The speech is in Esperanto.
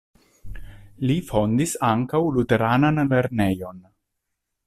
Li fondis ankaŭ luteranan lernejon.